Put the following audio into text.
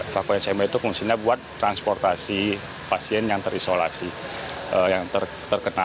fakulensima itu fungsinya buat transportasi pasien yang terisolasi yang terkena